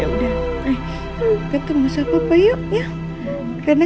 ya udah ketemu siapa payuknya karena